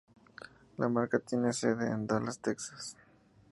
La marca tiene su sede en Dallas, Texas.